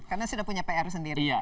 karena sudah punya pr sendiri